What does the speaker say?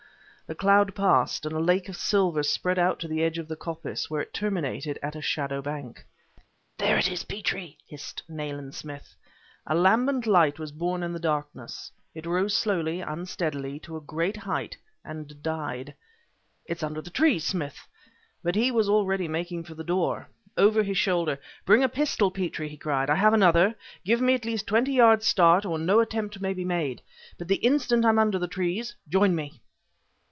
The cloud passed and a lake of silver spread out to the edge of the coppice, where it terminated at a shadow bank. "There it is, Petrie!" hissed Nayland Smith. A lambent light was born in the darkness; it rose slowly, unsteadily, to a great height, and died. "It's under the trees, Smith!" But he was already making for the door. Over his shoulder: "Bring the pistol, Petrie!" he cried; "I have another. Give me at least twenty yards' start or no attempt may be made. But the instant I'm under the trees, join me."